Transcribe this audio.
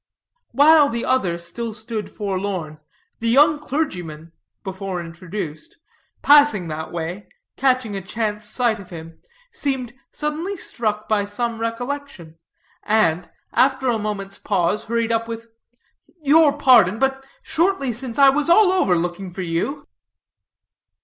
While the other still stood forlorn, the young clergyman, before introduced, passing that way, catching a chance sight of him, seemed suddenly struck by some recollection; and, after a moment's pause, hurried up with: "Your pardon, but shortly since I was all over looking for you."